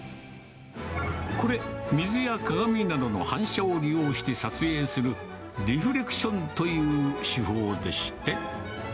これ、水や鏡などの反射を利用して撮影する、リフレクションという手法でして。